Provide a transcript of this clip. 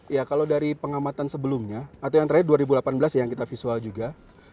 ya kalau dari pengamatan sebelumnya atau yang terakhir dua ribu delapan belas yang kita visual juga